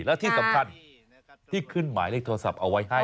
และที่สำคัญที่ขึ้นหมายเลขโทรศัพท์เอาไว้ให้